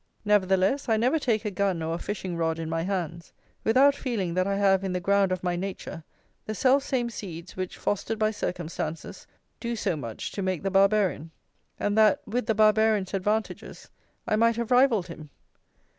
Nevertheless, I never take a gun or a fishing rod in my hands without feeling that I have in the ground of my nature the self same seeds which, fostered by circumstances, do so much to make the Barbarian; and that, with the Barbarian's advantages, I might have rivalled him.